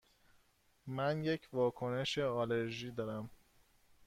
من یک واکنش آلرژی دارم.